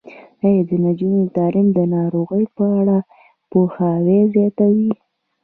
د نجونو تعلیم د ناروغیو په اړه پوهاوی زیاتوي.